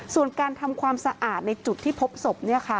ส่วนการทำความสะอาดในจุดที่พบศพ